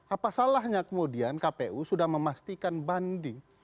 apa salahnya kemudian kpu sudah memastikan banding